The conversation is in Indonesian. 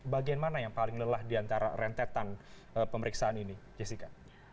bagian mana yang paling lelah diantara rentetan pemeriksaan ini jessica